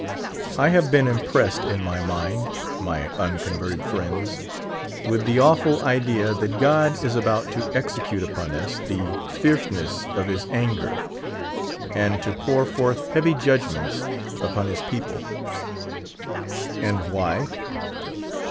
1 have been impressed in my mind, my unconverted friends, with the awful idea that God is about to exe cute upon us the fierceness of his anger, and to pour forth heavy judgments upon this people. And why?